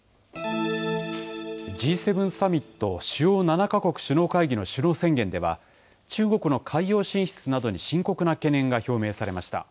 Ｇ７サミット・主要７か国首脳会議の首脳宣言では、中国の海洋進出などに深刻な懸念が表明されました。